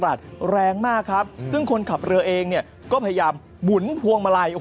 แรงมากครับซึ่งคนขับเรือเองเนี่ยก็พยายามหมุนพวงมาลัย